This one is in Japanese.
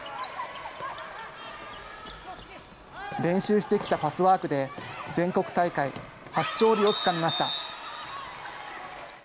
練習してきたパスワークで、全国大会初勝利をつかみました。